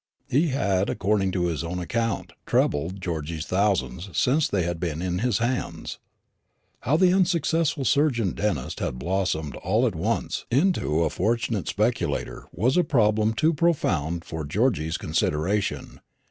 He had, according to his own account, trebled Georgy's thousands since they had been in his hands. How the unsuccessful surgeon dentist had blossomed all at once into a fortunate speculator was a problem too profound for Georgy's consideration.